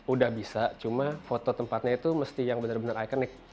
udah bisa cuma foto tempatnya itu mesti yang benar benar ikonik